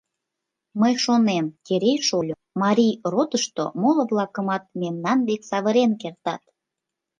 Мый шонем, Терей шольо, Марий ротышто моло-влакымат мемнан век савырен кертат...